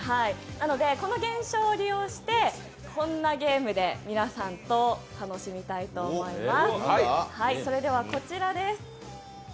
なのでこの現象を利用してこんなゲームで皆さんと楽しみたいと思います。